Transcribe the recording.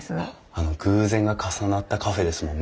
あの偶然が重なったカフェですもんね。